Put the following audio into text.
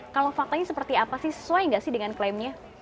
kalau faktanya seperti apa sih sesuai nggak sih dengan klaimnya